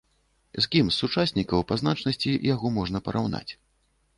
З кім з сучаснікаў па значнасці яго можна параўнаць?